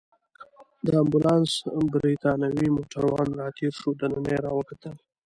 د امبولانس بریتانوی موټروان راتېر شو، دننه يې راوکتل.